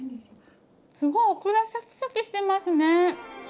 すごいオクラシャキシャキしてますね！